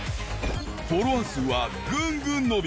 フォロワー数はグングン伸び